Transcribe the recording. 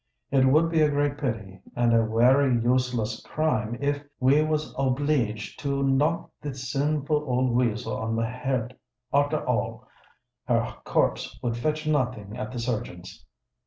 It would be a great pity and a wery useless crime if we was obleeged to knock the sinful old weasel on the head arter all: her corpse would fetch nothing at the surgeon's."